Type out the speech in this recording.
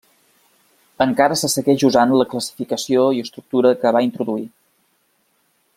Encara se segueix usant la classificació i estructura que va introduir.